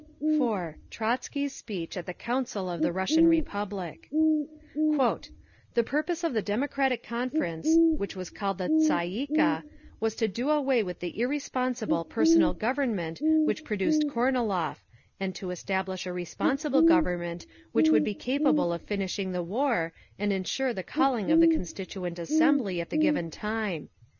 TROTZKY'S SPEECH AT THE COUNCIL OF THE RUSSIAN REPUBLIC "The purpose of the Democratic Conference, which was called by the Tsay ee kah, was to do away with the irresponsible personal government which produced Kornilov, and to establish a responsible government which would be capable of finishing the war, and ensure the calling of the Constituent Assembly at the given time.